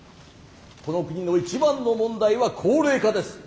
この国の一番の問題は高齢化です。